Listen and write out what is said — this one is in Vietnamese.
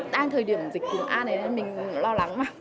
đang thời điểm dịch cúm a này nên mình lo lắng mà